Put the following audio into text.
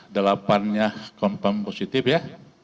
delapannya confirm positif ya